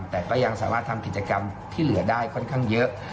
แต่ก็ยังสามารถทำกิจกรรมที่เหลือได้ค่อนข้างเยอะ